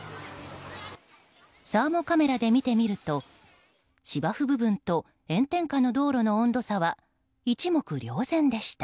サーモカメラで見てみると芝生部分と炎天下の道路の温度差は一目瞭然でした。